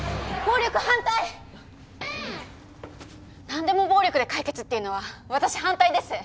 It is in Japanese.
何でも暴力で解決っていうのは私反対です。